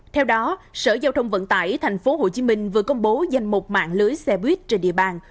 theo đó sở giao thông vận tải tp hcm vừa công bố danh mục mạng lưới xe buýt trên địa bàn